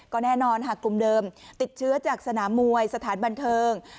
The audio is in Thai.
ก็แน่นอนหากกลุ่มเดิมติดเชื้อจากสนามมวยสถานบันเทิง